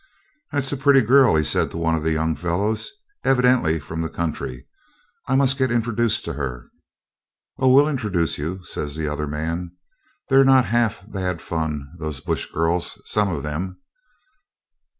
'That's a pretty girl,' he said to one of the young fellows; 'evidently from the country. I must get introduced to her.' 'Oh, we'll introduce you,' says the other man. 'They're not half bad fun, these bush girls, some of them.'